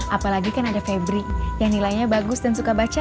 apalagi kan ada febri yang nilainya bagus dan suka baca